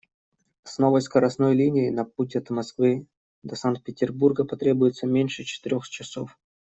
С новой скоростной линией на путь от Москвы до Санкт-Петербурга потребуется меньше четырёх часов.